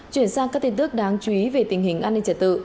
chuyển sang các tin tức đáng chú ý về tình hình an ninh trật tự